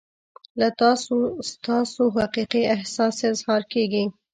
له تاسو ستاسو حقیقي احساس اظهار کیږي.